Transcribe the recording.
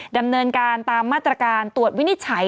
ดำเนินการตามมาตรการตรวจวินิจฉัย